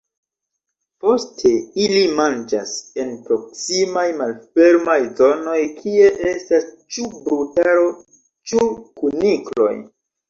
Poste ili manĝas en proksimaj malfermaj zonoj kie estas ĉu brutaro ĉu kunikloj.